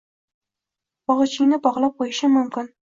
Bogʼichingni bogʼlab qoʼyishim mumkin.